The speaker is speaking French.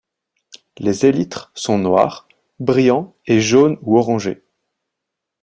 Les élytres sont noirs, brillants et jaunes ou orangés.